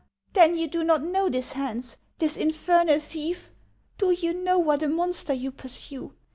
Then you do not know this Hans, — this infer nal thief? Do you know what a monster you pursue?